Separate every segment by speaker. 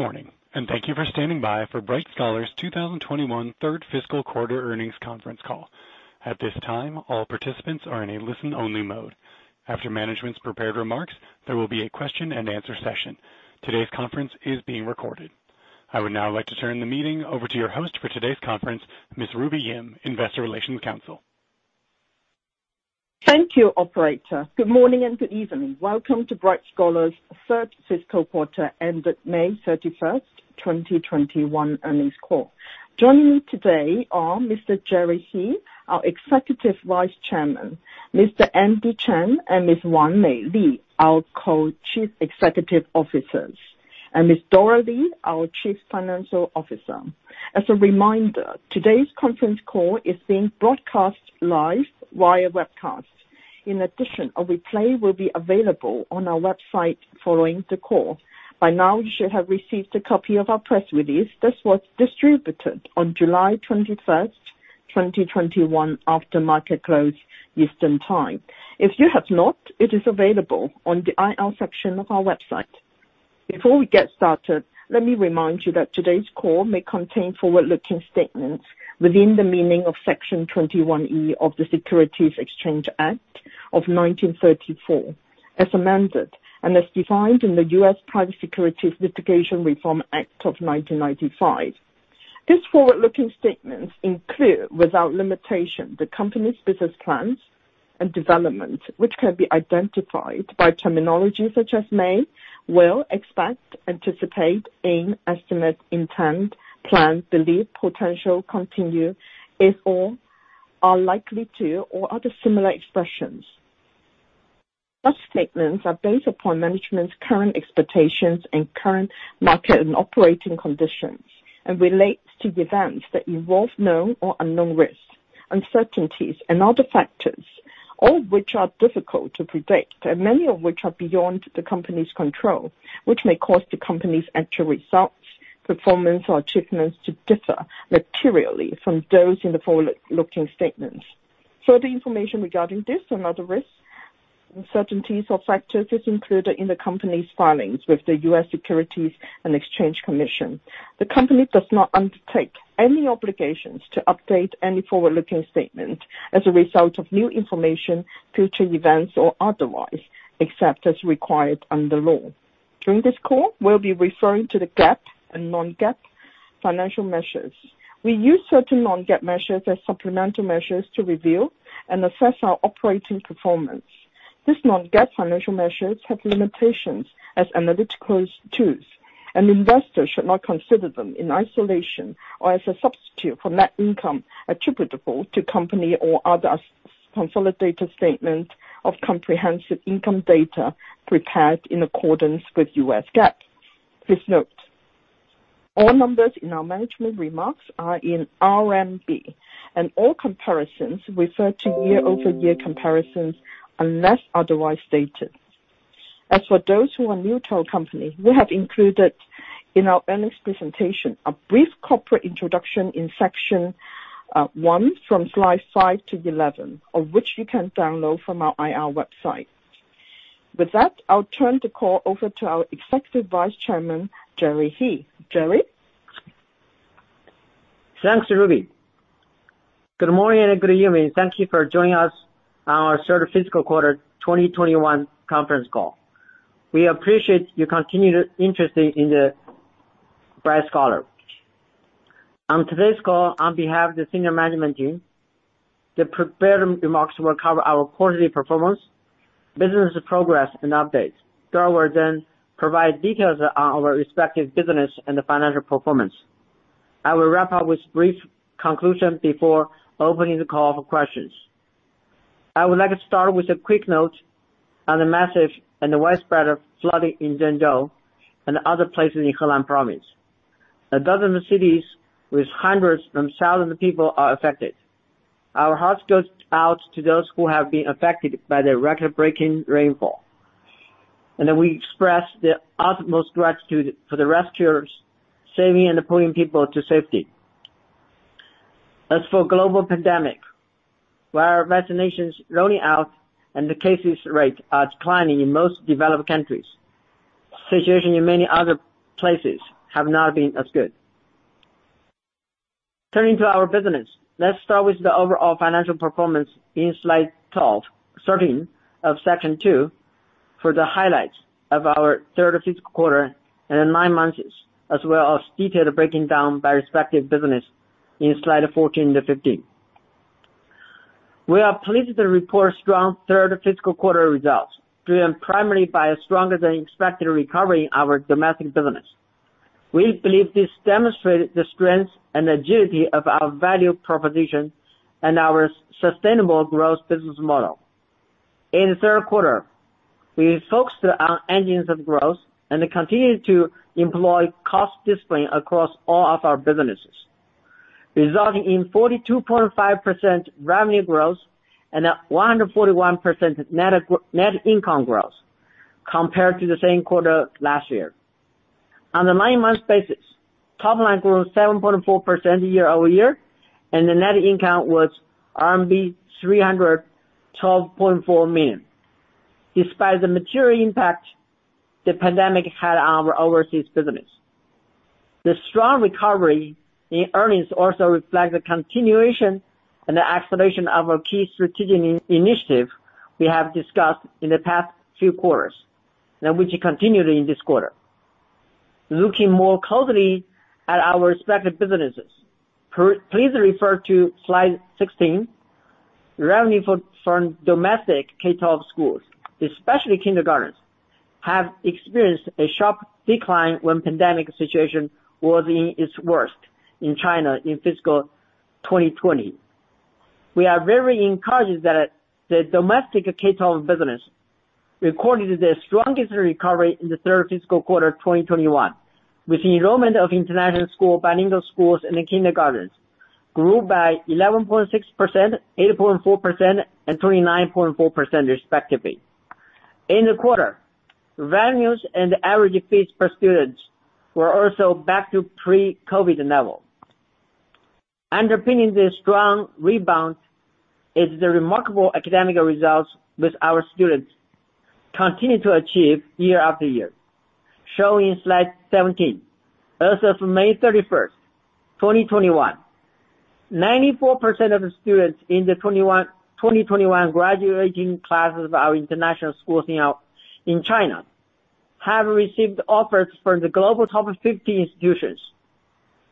Speaker 1: Morning. Thank you for standing by for Bright Scholar's 2021 third fiscal quarter earnings conference call. At this time, all participants are in a listen-only mode. After management's prepared remarks, there will be a question and answer session. Today's conference is being recorded. I would now like to turn the meeting over to your host for today's conference, Ms. Ruby Yim, Investor Relations Counsel.
Speaker 2: Thank you, operator. Good morning and good evening. Welcome to Bright Scholar's third fiscal quarter ended May 31st, 2021 earnings call. Joining me today are Mr. Jerry He, our Executive Vice Chairman, Mr. Andy Chen and Ms. Wanmei Li, our Co-Chief Executive Officers, and Ms. Dora Li, our Chief Financial Officer. As a reminder, today's conference call is being broadcast live via webcast. In addition, a replay will be available on our website following the call. By now, you should have received a copy of our press release that was distributed on July 21st, 2021 after market close, Eastern Time. If you have not, it is available on the IR section of our website. Before we get started, let me remind you that today's call may contain forward-looking statements within the meaning of Section 21E of the Securities Exchange Act of 1934, as amended, and as defined in the U.S. Private Securities Litigation Reform Act of 1995. These forward-looking statements include, without limitation, the company's business plans and development, which can be identified by terminology such as may, will, expect, anticipate, aim, estimate, intend, plan, believe, potential, continue, if, or, are likely to, or other similar expressions. Such statements are based upon management's current expectations and current market and operating conditions and relates to events that involve known or unknown risks, uncertainties, and other factors, all of which are difficult to predict and many of which are beyond the company's control, which may cause the company's actual results, performance or achievements to differ materially from those in the forward-looking statements. Further information regarding this and other risks, uncertainties or factors is included in the company's filings with the US Securities and Exchange Commission. The company does not undertake any obligations to update any forward-looking statement as a result of new information, future events, or otherwise, except as required under law. During this call, we will be referring to the GAAP and non-GAAP financial measures. We use certain non-GAAP measures as supplemental measures to review and assess our operating performance. These non-GAAP financial measures have limitations as analytical tools, and investors should not consider them in isolation or as a substitute for net income attributable to company or other consolidated statements of comprehensive income data prepared in accordance with US GAAP. Please note, all numbers in our management remarks are in RMB, and all comparisons refer to year-over-year comparisons unless otherwise stated. As for those who are new to our company, we have included in our earnings presentation a brief corporate introduction in Section One from slide 5-11, of which you can download from our IR website. With that, I will turn the call over to our Executive Vice Chairman, Jerry He. Jerry?
Speaker 3: Thanks, Ruby. Good morning and good evening. Thank you for joining us on our third fiscal quarter 2021 conference call. We appreciate your continued interest in Bright Scholar. On today's call, on behalf of the senior management team, the prepared remarks will cover our quarterly performance, business progress, and updates. Dora will then provide details on our respective business and the financial performance. I will wrap up with brief conclusion before opening the call for questions. I would like to start with a quick note on the massive and widespread flooding in Zhengzhou and other places in Henan province. A dozen cities with hundreds of thousands of people are affected. Our hearts goes out to those who have been affected by the record-breaking rainfall, and then we express the utmost gratitude for the rescuers saving and pulling people to safety. As for global pandemic, while vaccinations rolling out and the case rate are declining in most developed countries, situation in many other places have not been as good. Turning to our business. Let's start with the overall financial performance in slide 12, starting of section two for the highlights of our third fiscal quarter and nine months, as well as detailed breakdown by respective business in slide 14-15. We are pleased to report strong third fiscal quarter results, driven primarily by a stronger than expected recovery in our domestic business. We believe this demonstrated the strength and agility of our value proposition and our sustainable growth business model. In the third quarter, we focused on engines of growth and continued to employ cost discipline across all of our businesses, resulting in 42.5% revenue growth and 141% net income growth compared to the same quarter last year. On the nine-month basis, top line grew 7.4% year-over-year, and the net income was RMB 312.4 million, despite the material impact the pandemic had on our overseas business. The strong recovery in earnings also reflect the continuation and the acceleration of our key strategic initiative we have discussed in the past few quarters, and which continued in this quarter. Looking more closely at our respective businesses, please refer to slide 16. Revenue from domestic K-12 schools, especially kindergartens, have experienced a sharp decline when pandemic situation was in its worst in China in fiscal 2020. We are very encouraged that the domestic K-12 business recorded the strongest recovery in the third fiscal quarter 2021, with the enrollment of international school, bilingual schools, and the kindergartens grew by 11.6%, 8%, and 29.4%, respectively. In the quarter, revenues and average fees per students were also back to pre-COVID level. Underpinning this strong rebound is the remarkable academic results with our students continue to achieve year after year. Shown in slide 17. As of May 31st, 2021, 94% of the students in the 2021 graduating class of our international schools in China have received offers from the global top 50 institutions,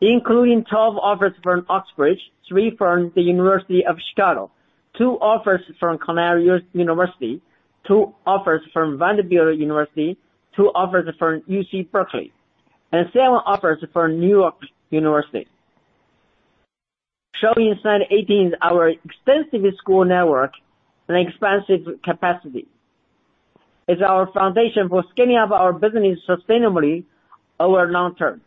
Speaker 3: including 12 offers from Oxbridge, three from the University of Chicago, two offers from Cornell University, two offers from Vanderbilt University, two offers from UC Berkeley, and seven offers from New York University. Shown in slide 18 is our extensive school network and expansive capacity is our foundation for scaling up our business sustainably over long-term.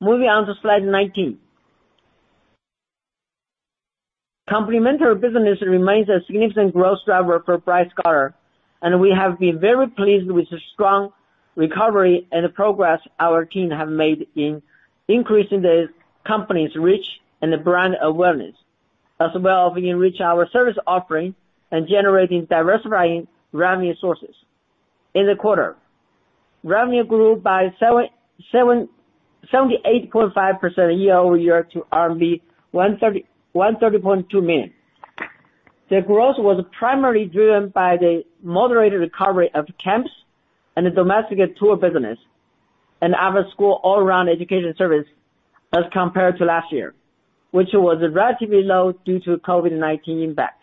Speaker 3: Moving on to slide 19. Complementary business remains a significant growth driver for Bright Scholar, and we have been very pleased with the strong recovery and the progress our team have made in increasing the company's reach and the brand awareness, as well as we enrich our service offering and generating diversifying revenue sources. In the quarter, revenue grew by 78.5% year-over-year to RMB 130.2 million. The growth was primarily driven by the moderated recovery of camps, and the domestic tour business, and our school all around education service as compared to last year, which was relatively low due to COVID-19 impact.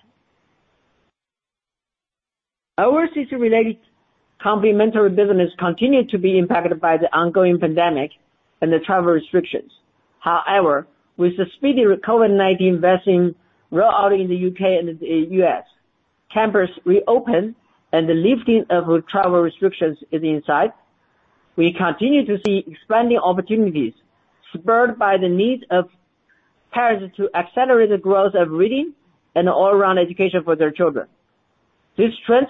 Speaker 3: Overseas-related complementary business continued to be impacted by the ongoing pandemic and the travel restrictions. However, with the speedy COVID-19 vaccine rollout in the U.K. and the U.S., campus reopen and the lifting of travel restrictions is in sight. We continue to see expanding opportunities spurred by the needs of parents to accelerate the growth of reading and all-around education for their children. These trends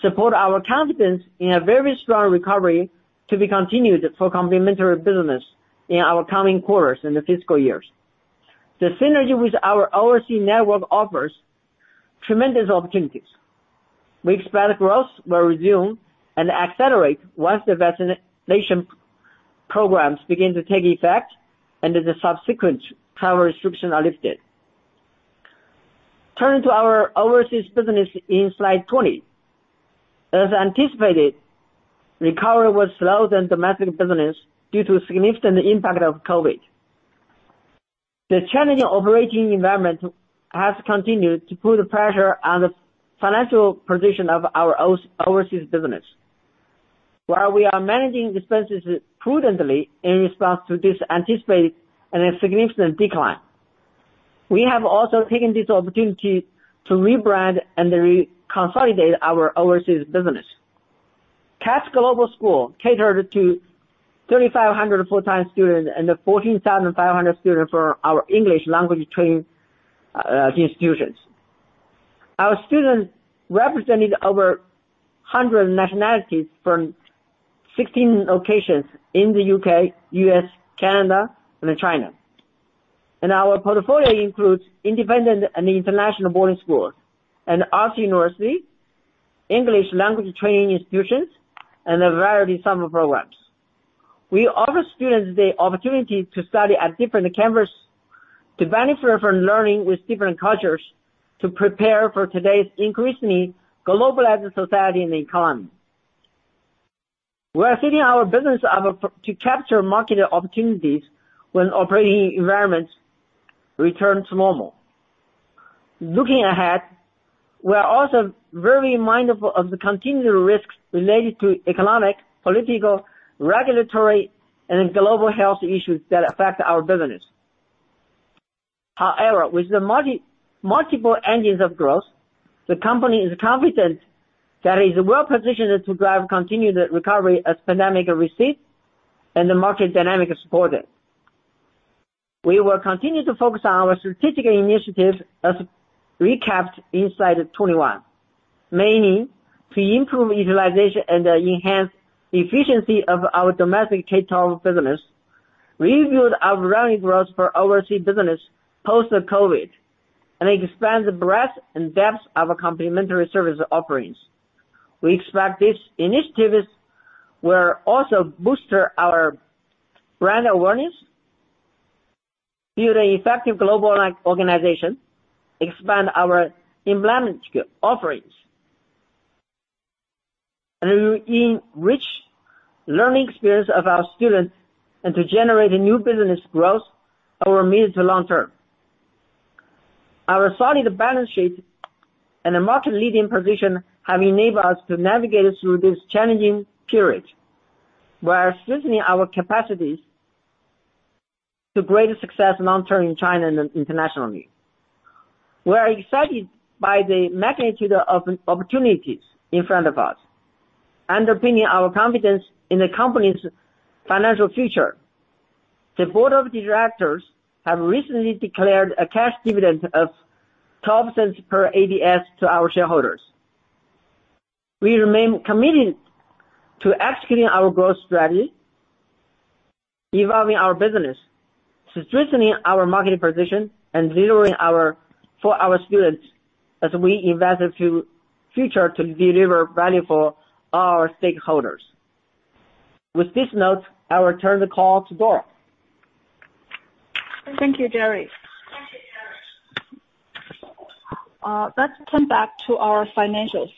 Speaker 3: support our confidence in a very strong recovery to be continued for complementary business in our coming quarters in the fiscal years. The synergy with our overseas network offers tremendous opportunities. We expect growth will resume and accelerate once the vaccination programs begin to take effect and the subsequent travel restrictions are lifted. Turning to our overseas business in slide 20. As anticipated, recovery was slower than domestic business due to significant impact of COVID. The challenging operating environment has continued to put pressure on the financial position of our overseas business. While we are managing expenses prudently in response to this anticipated and a significant decline, we have also taken this opportunity to rebrand and reconsolidate our overseas business. CATS Global Schools catered to 3,500 full-time students and the 14,500 students for our English language training institutions. Our students represented over 100 nationalities from 16 locations in the U.K., U.S., Canada, and China. Our portfolio includes independent and international boarding schools, an arts university, English language training institutions, and a variety summer programs. We offer students the opportunity to study at different campus to benefit from learning with different cultures to prepare for today's increasingly globalized society and economy. We are setting our business up to capture market opportunities when operating environments return to normal. Looking ahead, we are also very mindful of the continuing risks related to economic, political, regulatory, and global health issues that affect our business. However, with the multiple engines of growth, the company is confident that it is well-positioned to drive continued recovery as pandemic recedes, and the market dynamic is supported. We will continue to focus on our strategic initiatives as recapped in slide 21, mainly to improve utilization and enhance efficiency of our domestic K-12 business. We reviewed our revenue growth for overseas business post-COVID, and expanded the breadth and depth of our complementary service offerings. We expect these initiatives will also boost our brand awareness, build an effective global organization, expand our enrollment offerings, and will enrich learning experience of our students, and to generate a new business growth over medium to long term. Our solid balance sheet and a market-leading position have enabled us to navigate through this challenging period. We are strengthening our capacities to greater success long term in China and internationally. We are excited by the magnitude of opportunities in front of us, underpinning our confidence in the company's financial future. The board of directors have recently declared a cash dividend of $0.12 per ADS to our shareholders. We remain committed to executing our growth strategy, evolving our business, strengthening our market position, and delivering for our students as we invest in future to deliver value for our stakeholders. With this note, I will turn the call to Dora.
Speaker 4: Thank you, Jerry. Let's turn back to our financials.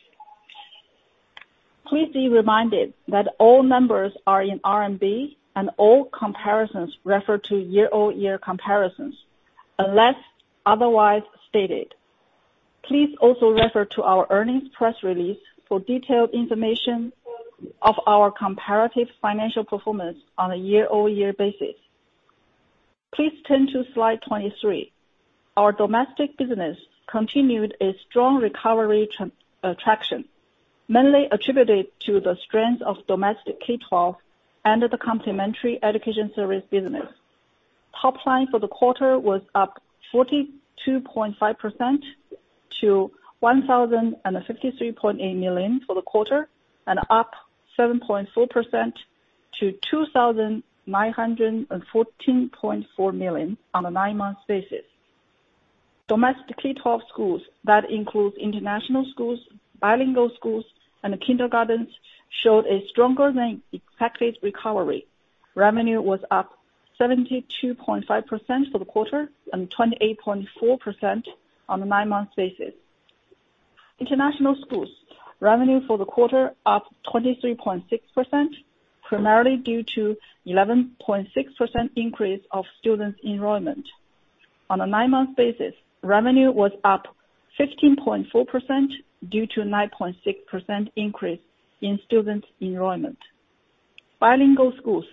Speaker 4: Please be reminded that all numbers are in RMB, and all comparisons refer to year-over-year comparisons, unless otherwise stated. Please also refer to our earnings press release for detailed information of our comparative financial performance on a year-over-year basis. Please turn to slide 23. Our domestic business continued a strong recovery traction, mainly attributed to the strength of domestic K-12 and the complementary education service business. Top line for the quarter was up 42.5% to 1,053.8 million for the quarter, and up 7.4% to 2,914.4 million on a nine-month basis. Domestic K-12 schools, that includes international schools, bilingual schools, and kindergartens, showed a stronger than expected recovery. Revenue was up 72.5% for the quarter and 28.4% on a nine-month basis. International schools. Revenue for the quarter up 23.6%, primarily due to 11.6% increase of students enrollment. On a nine-month basis, revenue was up 15.4% due to 9.6% increase in students enrollment. Bilingual schools.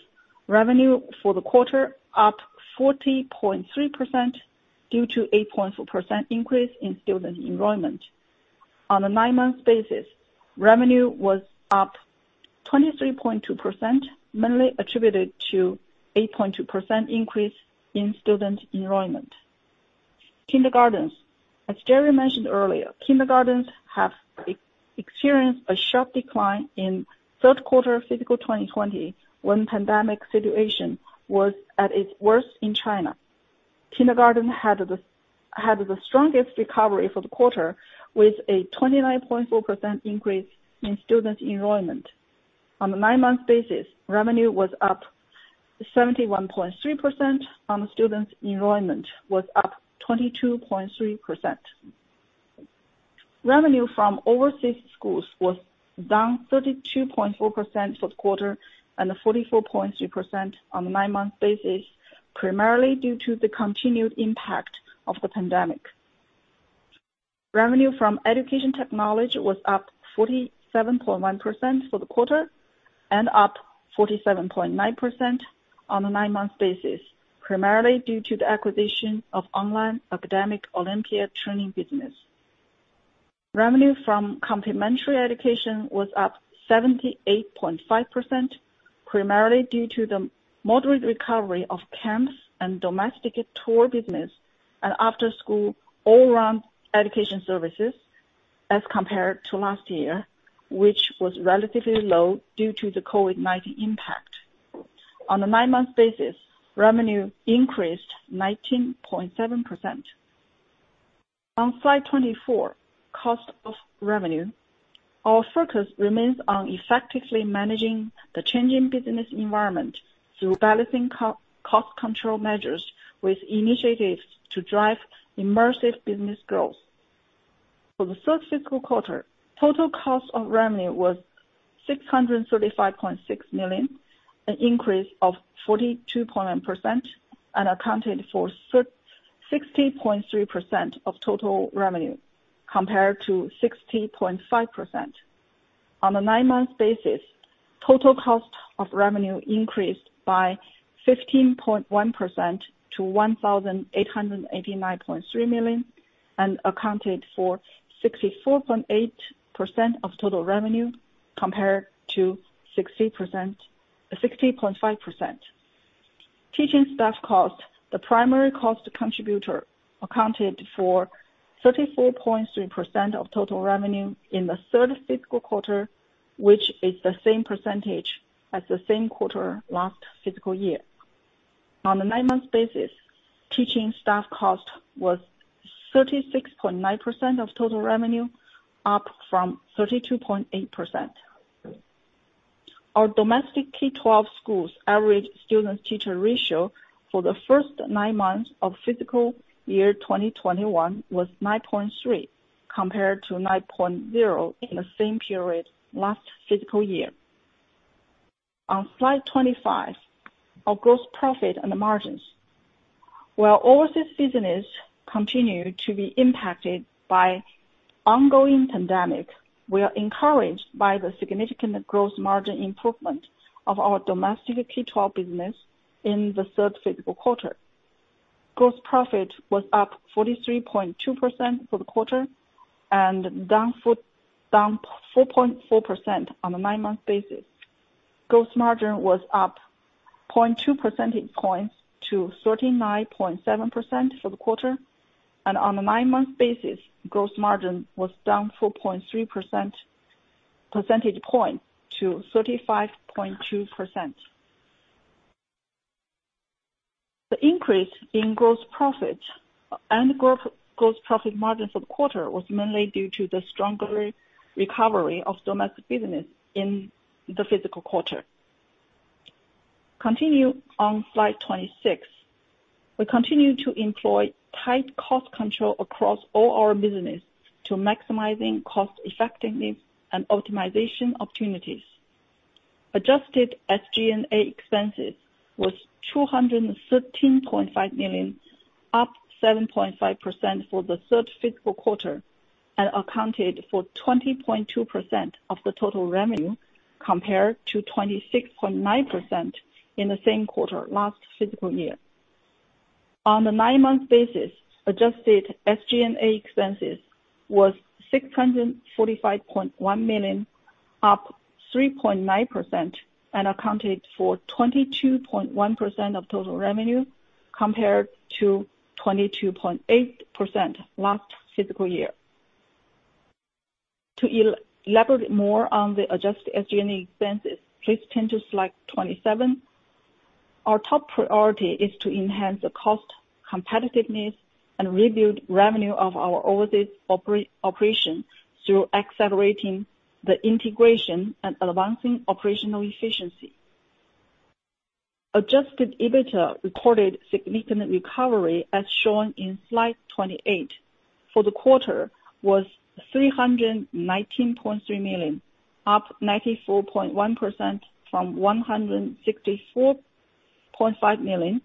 Speaker 4: Revenue for the quarter up 40.3% due to 8.4% increase in student enrollment. On a nine-month basis, revenue was up 23.2%, mainly attributed to 8.2% increase in student enrollment. Kindergartens. As Jerry mentioned earlier, kindergartens have experienced a sharp decline in third quarter fiscal 2020, when pandemic situation was at its worst in China. Kindergarten had the strongest recovery for the quarter, with a 29.4% increase in students enrollment. On the nine-month basis, revenue was up 71.3%, and the students enrollment was up 22.3%. Revenue from overseas schools was down 32.4% for the quarter and 44.3% on the nine-month basis, primarily due to the continued impact of the pandemic. Revenue from education technology was up 47.1% for the quarter and up 47.9% on the nine-month basis, primarily due to the acquisition of online academic Olympiad training business. Revenue from complementary education was up 78.5%, primarily due to the moderate recovery of camps and domestic tour business and after-school all-round education services as compared to last year, which was relatively low due to the COVID-19 impact. On the nine-month basis, revenue increased 19.7%. On slide 24, cost of revenue. Our focus remains on effectively managing the changing business environment through balancing cost control measures with initiatives to drive immersive business growth. For the third fiscal quarter, total cost of revenue was 635.6 million, an increase of 42.9%, and accounted for 60.3% of total revenue, compared to 60.5%. On a nine-month basis, total cost of revenue increased by 15.1% to 1,889.3 million and accounted for 64.8% of total revenue compared to 60.5%. Teaching staff cost, the primary cost contributor, accounted for 34.3% of total revenue in the third fiscal quarter, which is the same percentage as the same quarter last fiscal year. On a nine-month basis, teaching staff cost was 36.9% of total revenue, up from 32.8%. Our domestic K-12 schools' average student-teacher ratio for the nine months of fiscal year 2021 was 9.3, compared to 9.0 in the same period last fiscal year. On slide 25, our gross profit and the margins. While overseas business continued to be impacted by ongoing pandemic, we are encouraged by the significant gross margin improvement of our domestic K-12 business in the third fiscal quarter. Gross profit was up 43.2% for the quarter and down 4.4% on a nine-month basis. Gross margin was up 0.2 percentage points to 39.7% for the quarter. On a nine-month basis, gross margin was down 4.3% percentage point to 35.2%. The increase in gross profit and gross profit margin for the quarter was mainly due to the stronger recovery of domestic business in the fiscal quarter. Continue on slide 26. We continue to employ tight cost control across all our business to maximizing cost effectiveness and optimization opportunities. Adjusted SG&A expenses was 213.5 million, up 7.5% for the third fiscal quarter, and accounted for 20.2% of the total revenue, compared to 26.9% in the same quarter last fiscal year. On a nine-month basis, adjusted SG&A expenses was 645.1 million, up 3.9%, and accounted for 22.1% of total revenue, compared to 22.8% last fiscal year. To elaborate more on the adjusted SG&A expenses, please turn to slide 27. Our top priority is to enhance the cost competitiveness and rebuild revenue of our overseas operation through accelerating the integration and advancing operational efficiency. Adjusted EBITDA reported significant recovery, as shown in slide 28, for the quarter was 319.3 million, up 94.1% from 164.5 million.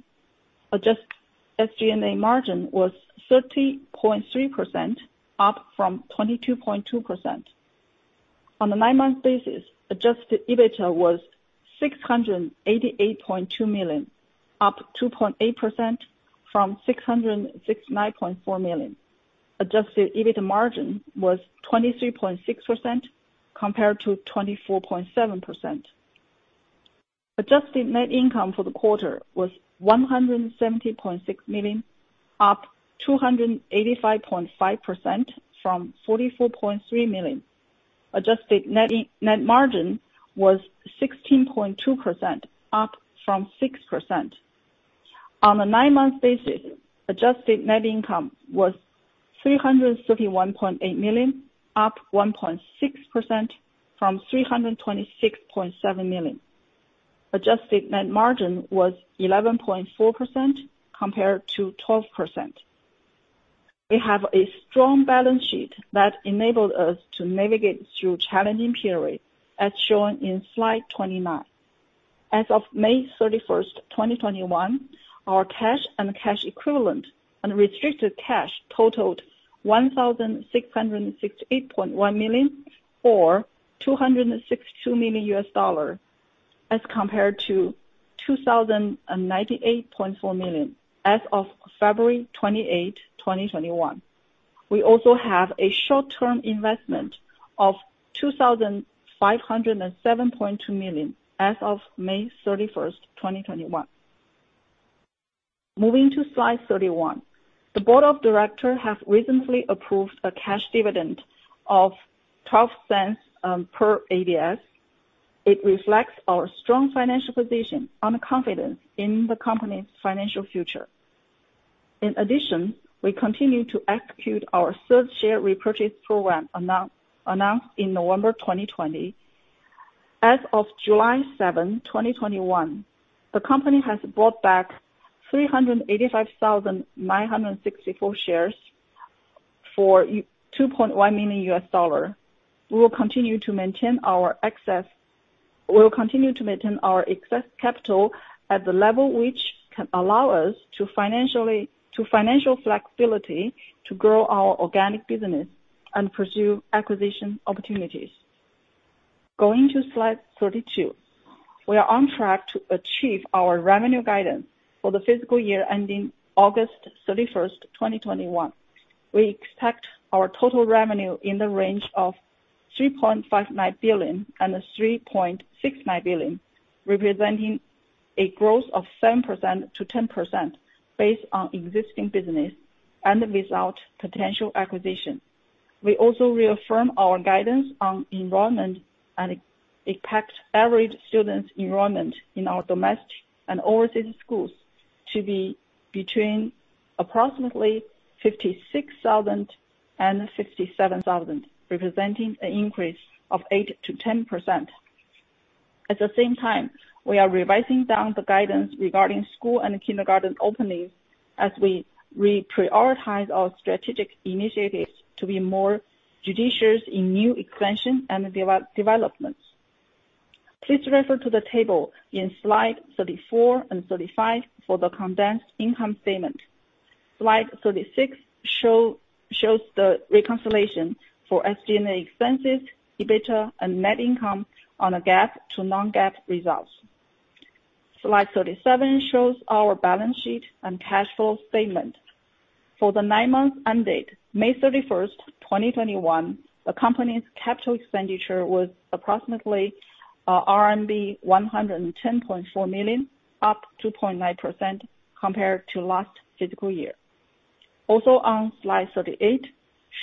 Speaker 4: Adjusted SG&A margin was 30.3%, up from 22.2%. On a nine-month basis, adjusted EBITDA was 688.2 million, up 2.8% from 669.4 million. Adjusted EBITDA margin was 23.6%, compared to 24.7%. Adjusted net income for the quarter was 170.6 million, up 285.5% from 44.3 million. Adjusted net margin was 16.2%, up from 6%. On a nine-month basis, adjusted net income was 331.8 million, up 1.6% from 326.7 million. Adjusted net margin was 11.4%, compared to 12%. We have a strong balance sheet that enabled us to navigate through challenging periods, as shown in slide 29. As of May 31, 2021, our cash and cash equivalent, unrestricted cash totaled 1,668.1 million, or $262 million, as compared to 2,098.4 million as of February 28, 2021. We also have a short-term investment of 2,507.2 million as of May 31, 2021. Moving to slide 31. The board of directors have recently approved a cash dividend of $0.12 per ADS. It reflects our strong financial position and confidence in the company's financial future. In addition, we continue to execute our third share repurchase program announced in November 2020. As of July 7, 2021, the company has bought back 385,964 shares for $2.1 million. We will continue to maintain our excess capital at the level which can allow us to financial flexibility to grow our organic business and pursue acquisition opportunities. Going to slide 32. We are on track to achieve our revenue guidance for the fiscal year ending August 31st, 2021. We expect our total revenue in the range of 3.59 billion and 3.69 billion, representing a growth of 7%-10% based on existing business and without potential acquisition. We also reaffirm our guidance on enrollment and expect average students enrollment in our domestic and overseas schools to be between approximately 56,000 and 57,000, representing an increase of 8%-10%. At the same time, we are revising down the guidance regarding school and kindergarten openings as we reprioritize our strategic initiatives to be more judicious in new expansion and developments. Please refer to the table in slide 34 and 35 for the condensed income statement. Slide 36 shows the reconciliation for SG&A expenses, EBITDA, and net income on a GAAP to non-GAAP results. Slide 37 shows our balance sheet and cash flow statement. For the nine months ended May 31st, 2021, the company's capital expenditure was approximately RMB 110.4 million, up 2.9% compared to last fiscal year. On Slide 38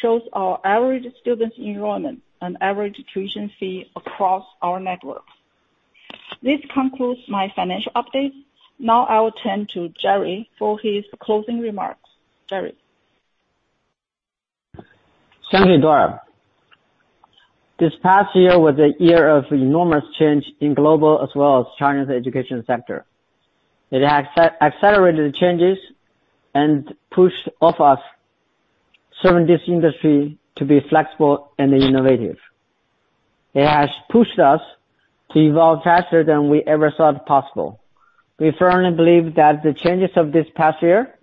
Speaker 4: shows our average students enrollment and average tuition fee across our network. This concludes my financial update. I will turn to Jerry for his closing remarks. Jerry?
Speaker 3: Thank you, Dora. This past year was a year of enormous change in global as well as China's education sector. It has accelerated changes and pushed all of us, serving this industry, to be flexible and innovative. It has pushed us to evolve faster than we ever thought possible. We firmly believe that the changes of this past year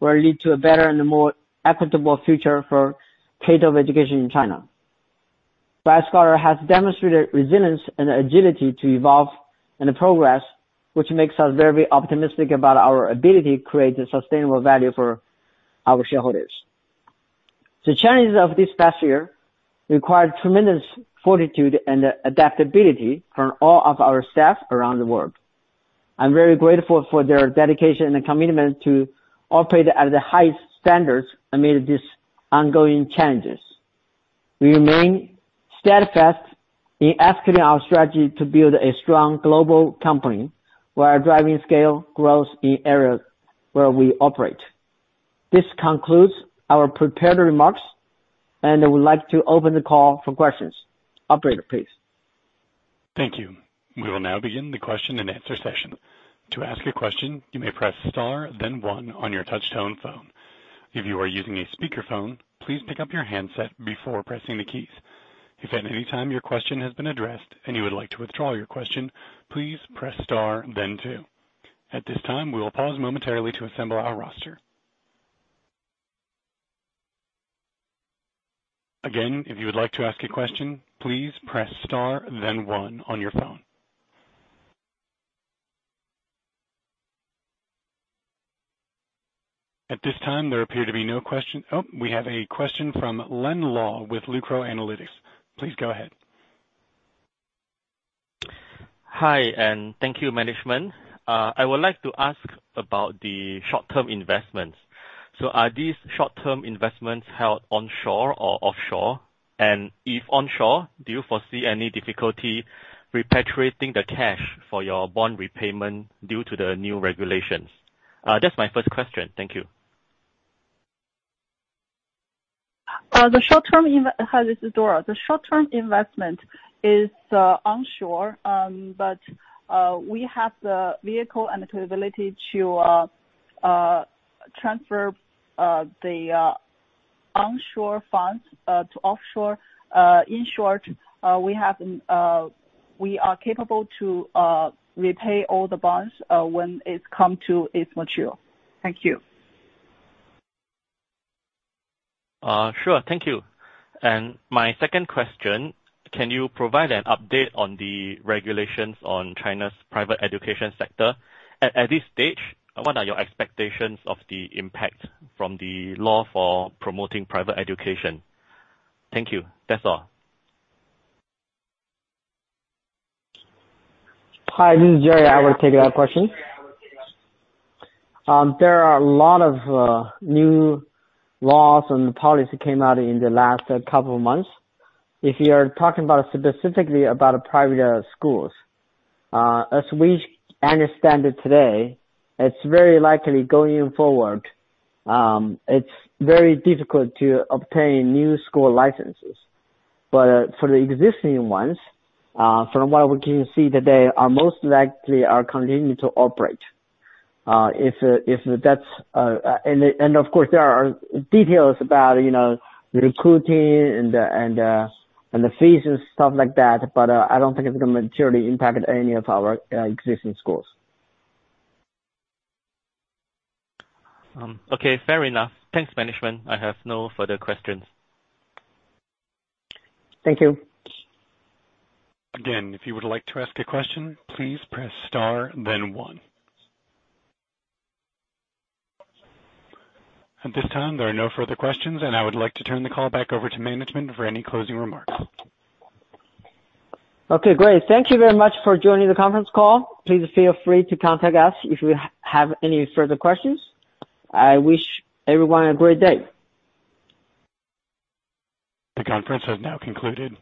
Speaker 3: will lead to a better and more equitable future for private education in China. Bright Scholar has demonstrated resilience and agility to evolve and progress, which makes us very optimistic about our ability to create a sustainable value for our shareholders. The challenges of this past year required tremendous fortitude and adaptability from all of our staff around the world. I'm very grateful for their dedication and commitment to operate at the highest standards amid these ongoing challenges. We remain steadfast in executing our strategy to build a strong global company while driving scale growth in areas where we operate. This concludes our prepared remarks, and I would like to open the call for questions. Operator, please.
Speaker 1: Thank you. We will now begin the question and answer session. To ask a question you may press star then one on your touch-tone phone. If you are using a speakerphone, please pick up your handset before pressing the keys. If anytime your question has been addressed and you will like to withdraw your question, please press star then two. At this time we will pause momentarily to assemble our roster. Again, if you like to ask a question please press star then one on your phone. At this time, there appear to be no question. Oh, we have a question from Len Law with Lucror Analytics. Please go ahead.
Speaker 5: Hi, and thank you, management. I would like to ask about the short-term investments. Are these short-term investments held onshore or offshore? If onshore, do you foresee any difficulty repatriating the cash for your bond repayment due to the new regulations? That's my first question. Thank you.
Speaker 4: Hi, this is Dora. The short-term investment is onshore, but we have the vehicle and the capability to transfer the onshore funds to offshore. In short, we have, we are capable to repay all the bonds when it's come to its mature. Thank you.
Speaker 5: Sure. Thank you. My second question, can you provide an update on the regulations on China's private education sector? At this stage, what are your expectations of the impact from the law for promoting private education? Thank you. That's all.
Speaker 3: Hi, this is Jerry. I will take that question. There are a lot of new laws and policy came out in the last couple of months. If you're talking about specifically about private schools, as we understand it today, it's very likely going forward, it's very difficult to obtain new school licenses. For the existing ones, from what we can see today, are most likely continuing to operate. Of course, there are details about recruiting and the fees and stuff like that, but I don't think it's gonna materially impact any of our existing schools.
Speaker 5: Okay. Fair enough. Thanks, management. I have no further questions.
Speaker 3: Thank you.
Speaker 1: If you would like to ask a question, please press star then one. At this time, there are no further questions, and I would like to turn the call back over to management for any closing remarks.
Speaker 3: Okay, great. Thank you very much for joining the conference call. Please feel free to contact us if you have any further questions. I wish everyone a great day.
Speaker 1: The conference has now concluded.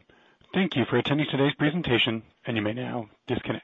Speaker 1: Thank you for attending today's presentation, and you may now disconnect.